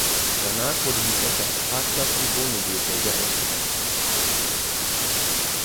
Danach wurde die Fläche als Parkplatz und Wohnmobilfläche ausgebaut.